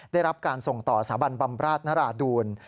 ได้รับการส่งต่อสถาบันบำราชนราดูล